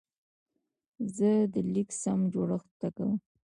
زه د لیک سم جوړښت زده کوم.